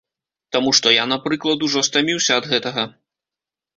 Таму што я, напрыклад, ужо стаміўся ад гэтага.